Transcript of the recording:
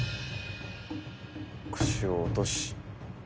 腰を落とし。